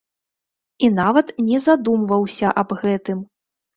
І нават не задумваўся аб гэтым.